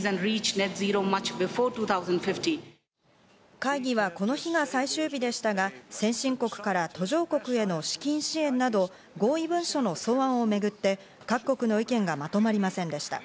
会議は、この日が最終日でしたが、先進国から途上国への資金支援など、合意文書の草案をめぐって各国の意見がまとまりませんでした。